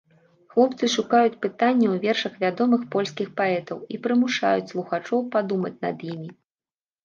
Хлопцы шукаюць пытанні ў вершах вядомых польскіх паэтаў і прымушаюць слухачоў падумаць над імі.